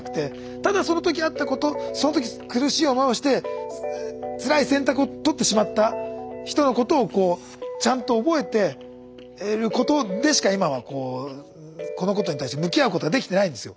ただその時あったことその時苦しい思いをしてつらい選択をとってしまった人のことをちゃんと覚えてることでしか今はこのことに対して向き合うことができてないんですよ。